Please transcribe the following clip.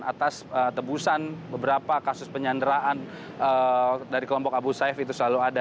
atas tebusan beberapa kasus penyanderaan dari kelompok abu sayyaf itu selalu ada